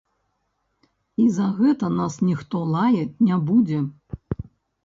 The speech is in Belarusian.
І за гэта нас ніхто лаяць не будзе!